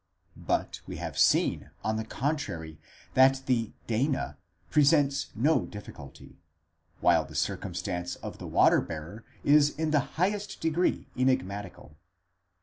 But we have seen, on the contrary, that the δεῖνα presents no difficulty ; while the circumstance of the water bearer is in the highest degree enigmatical.?